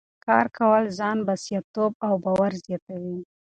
کار کول ځان بسیا توب او باور زیاتوي.